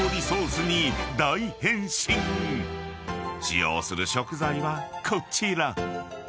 ［使用する食材はこちら］